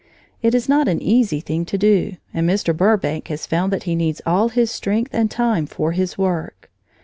It is not an easy thing to do, and Mr. Burbank has found that he needs all his strength and time for his work.